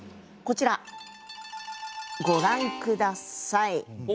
こちらご覧下さい。